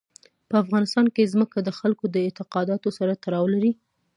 په افغانستان کې ځمکه د خلکو د اعتقاداتو سره تړاو لري.